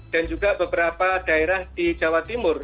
dan juga beberapa daerah di jawa timur